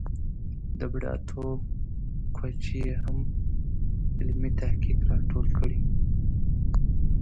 د بوډاتوب کوچ یې هم علمي تحقیق را ټول کړی.